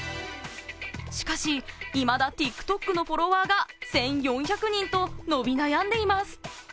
しかし、いまだＴｉｋＴｏｋのフォロワーが１４００人と伸び悩んでいます。